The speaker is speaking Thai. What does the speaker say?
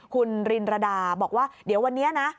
คุณรินรดาบอกว่าเดี๋ยววันนี้นะ